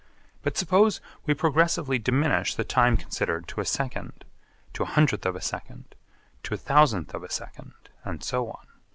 But suppose we progressively diminish the time considered to a second, to a hundredth of a second, to a thousandth of a second, and so on.